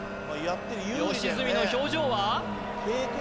良純の表情は？